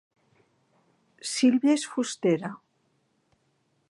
Sílvia és fustera